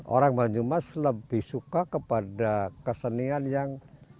orang banyumas lebih suka kepada kesenian yang